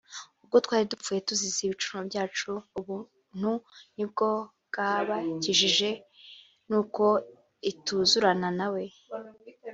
ubwo twari dupfuye tuzize ibicumuro byacu (ubuntu nibwo bwabakijije) nuko ituzurana nawe